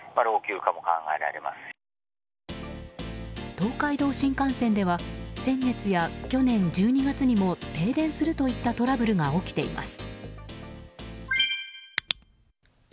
東海道新幹線では先月や去年１２月にも停電するといったトラブルが起きています。